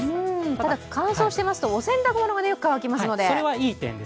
ただ、乾燥していますとお洗濯物はよく乾きますので。